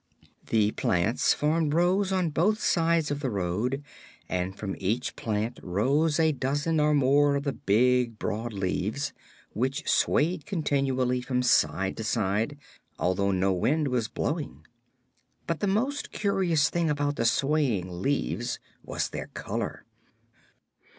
The plants formed rows on both sides of the road and from each plant rose a dozen or more of the big broad leaves, which swayed continually from side to side, although no wind was blowing. But the most curious thing about the swaying leaves was their color.